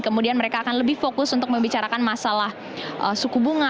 kemudian mereka akan lebih fokus untuk membicarakan masalah suku bunga